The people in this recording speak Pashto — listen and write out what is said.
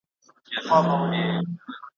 په رباب کي به غزل وي په شهباز کي به یې پل وي `